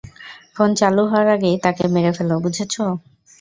Phone চালু হওয়ার আগেই তাকে মেরে ফেল, বুঝেছ?